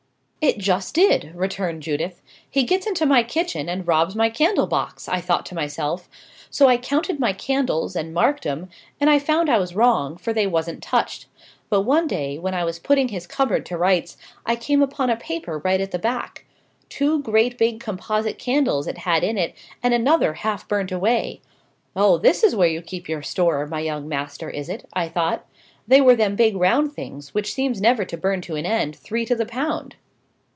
"It just did," returned Judith. "He gets into my kitchen and robs my candle box, I thought to myself. So I counted my candles and marked 'em; and I found I was wrong, for they wasn't touched. But one day, when I was putting his cupboard to rights, I came upon a paper right at the back. Two great big composite candles it had in it, and another half burnt away. Oh, this is where you keep your store, my young master, is it? I thought. They were them big round things, which seems never to burn to an end, three to the pound."